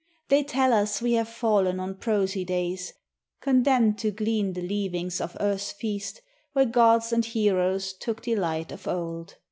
They tell us we have fallen on prosy days, Condemned to glean the leavings of earth's feast Where gods and heroes took delight of old ; UNDER THE WILLOWS.